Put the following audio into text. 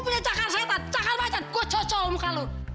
gue anjur tersekalan gue diaur aur